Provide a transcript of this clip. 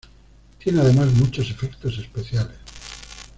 Tiene además muchos efectos especiales.